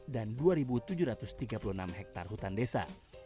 dan dua tujuh ratus tiga puluh enam hektare hutan desa